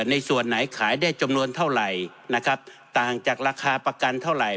ในส่วนไหนขายได้จำนวนเท่าไหร่นะครับต่างจากราคาประกันเท่าไหร่